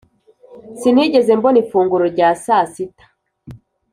sinigeze mbona ifunguro rya saa sita.